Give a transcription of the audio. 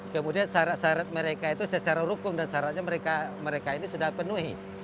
kemudian syarat syarat mereka itu secara hukum dan syaratnya mereka ini sudah penuhi